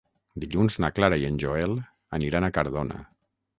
Dilluns na Clara i en Joel aniran a Cardona.